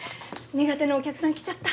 苦手なお客さん来ちゃった。